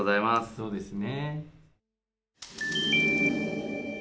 そうですね。